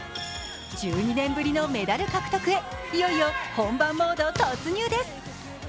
１２年ぶりのメダル獲得へいよいよ本番モード突入です。